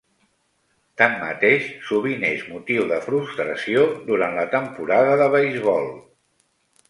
Tanmateix, sovint és motiu de frustració durant la temporada de beisbol.